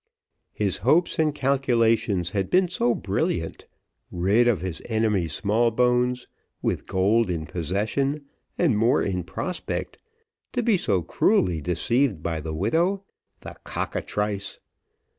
His hopes and calculations had been so brilliant rid of his enemy Smallbones with gold in possession, and more in prospect, to be so cruelly deceived by the widow the cockatrice!